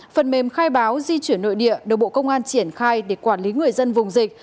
phần mềm khai báo di chuyển nội địa được bộ công an triển khai để quản lý người dân vùng dịch